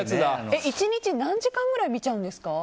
１日何時間ぐらい見ちゃうんですか？